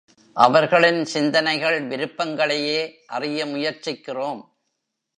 அவர்களின் சிந்தனைகள், விருப்பங்களையே அறிய முயற்சிக்கிறோம்.